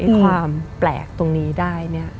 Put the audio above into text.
ความแปลกตรงนี้ได้